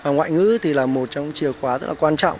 ngoại ngữ là một trong những chìa khóa rất là quan trọng